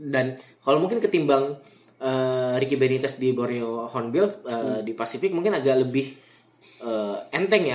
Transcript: dan kalau mungkin ketimbang ricky benitez di borneo hornbill di pacific mungkin agak lebih enteng ya